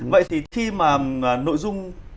vậy thì khi mà nội dung